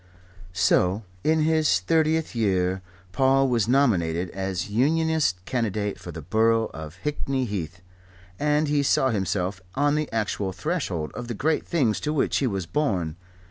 So, in his thirtieth year, Paul was nominated as Unionist candidate for the Borough of Hickney Heath, and he saw himself on the actual threshold of the great things to which he was born.